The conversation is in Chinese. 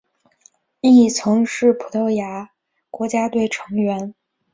亦曾是葡萄牙国家队成员。